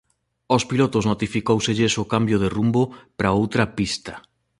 Aos pilotos notificóuselles o cambio de rumbo para outra pista.